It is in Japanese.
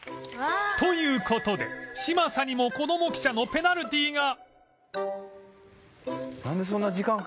という事で嶋佐にもこども記者のペナルティーが